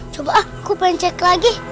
coba aku pencet lagi